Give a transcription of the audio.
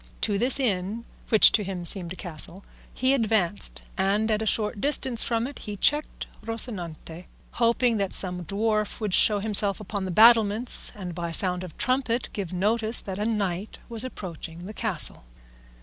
To this inn, which to him seemed a castle, he advanced, and at a short distance from it he checked Rocinante, hoping that some dwarf would show himself upon the battlements, and by sound of trumpet give notice that a knight was approaching the castle.